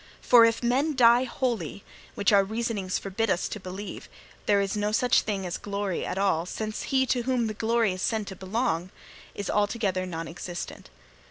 For if men die wholly which our reasonings forbid us to believe there is no such thing as glory at all, since he to whom the glory is said to belong is altogether non existent.